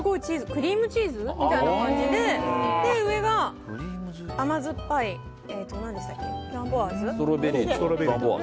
クリームチーズみたいな感じで上が甘酸っぱいフランボワーズ？